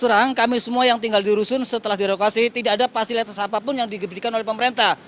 kurang kami semua yang tinggal di rusun setelah direlokasi tidak ada fasilitas apapun yang diberikan oleh pemerintah